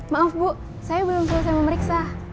maaf bu saya belum selesai memeriksa